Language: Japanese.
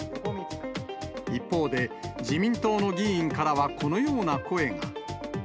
一方で、自民党の議員からはこのような声が。